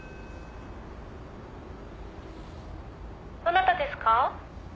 「どなたですか？」